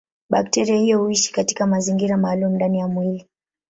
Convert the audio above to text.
Bakteria hiyo huishi katika mazingira maalumu ndani ya mwili.